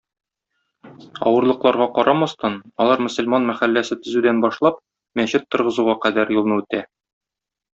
Авырлыкларга карамастан, алар мөселман мәхәлләсе төзүдән башлап мәчет торгызуга кадәр юлны үтә.